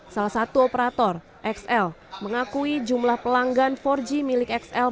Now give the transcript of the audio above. salah satu operator xl mengakui jumlah pelanggan empat g milik xl